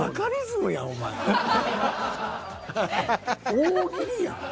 大喜利やん。